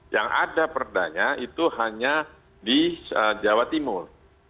yang ada perdanya itu hanya di jawa timur